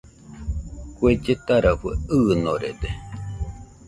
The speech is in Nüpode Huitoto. Kue lletarafue ɨɨnorede